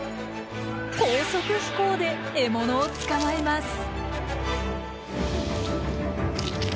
高速飛行で獲物を捕まえます。